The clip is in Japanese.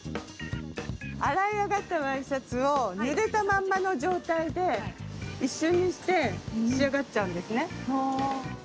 洗い上がったワイシャツをぬれたままの状態で一瞬にして仕上がっちゃうんですね。